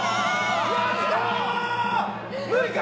無理か？